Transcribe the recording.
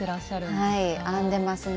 はい編んでますね。